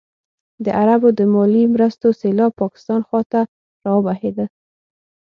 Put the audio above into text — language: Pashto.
د عربو د مالي مرستو سېلاب پاکستان خوا ته راوبهېده.